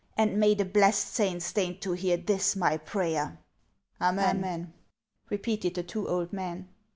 And may the blessed saints deign to hear this, my prayer !"" Amen !" repeated the two old men.